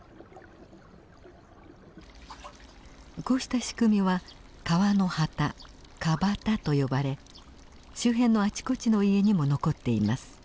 こうした仕組みは川の端「川端」と呼ばれ周辺のあちこちの家にも残っています。